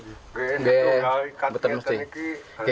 ini bukan ikan ikan ini